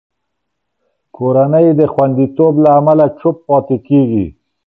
کورنۍ د خوندیتوب له امله چوپ پاتې کېږي.